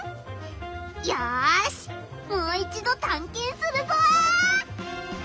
よしもう一度たんけんするぞ！